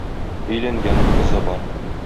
Өйләнгән, кызы бар.